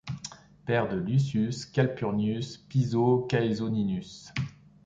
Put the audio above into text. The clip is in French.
Père de Lucius Calpurnius Piso Caesoninus.